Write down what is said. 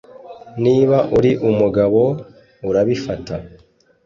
niba uri umugabo, urabifata